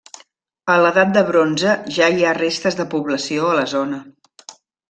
A l'edat de bronze ja hi restes de població a la zona.